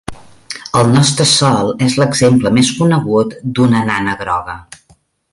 El nostre Sol és l'exemple més conegut d'una nana groga.